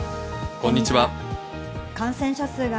こんにちは。